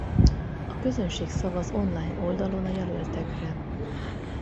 A közönség szavaz online oldalon a jelöltekre.